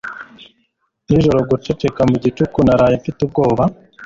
nijoro guceceka, mu gicuku naraye mfite ubwoba